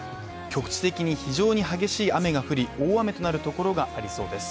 局地的に非常に激しい雨が降り大雨となるところがありそうです。